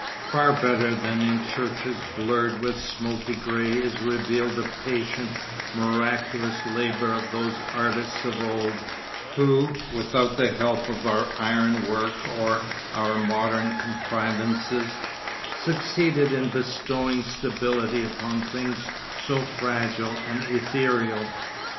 Far better than in churches blurred with smoky grey is revealed the patient, miraculous labour of those artists of old, who, without the help of our iron work or our modern contrivances, succeeded in bestowing stability upon things so fragile and ethereal.